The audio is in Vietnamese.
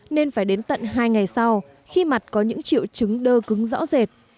nên phải đến tận hai ngày sau khi mặt có những triệu chứng đơ cứng rõ rệt